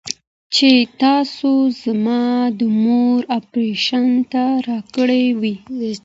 چې تاسو زما د مور اپرېشن ته راكړې وې.